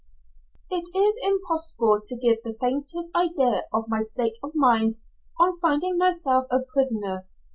It is impossible to give the faintest idea of my state of mind on finding myself a prisoner.